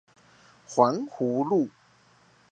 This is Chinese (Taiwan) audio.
環湖路